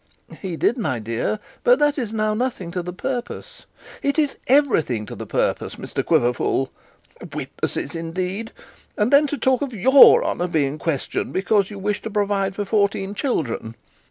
'He did, my dear. But that is now nothing to the purpose.' 'It is everything to the purpose, Mr Quiverful. Witnesses indeed! And then to talk of your honour being questioned because you wish to provide for fourteen children.